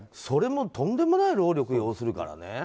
それもとんでもない労力を要するからね。